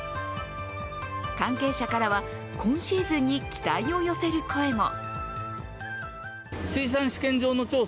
関係者からは、今シーズンに期待を寄せる声も。